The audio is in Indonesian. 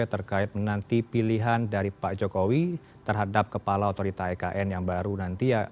terkait menanti pilihan dari pak jokowi terhadap kepala otorita ekn yang baru nanti